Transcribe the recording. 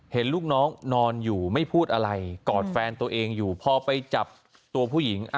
เห็นลูกน้องนอนอยู่ไม่พูดอะไรกอดแฟนตัวเองอยู่พอไปจับตัวผู้หญิง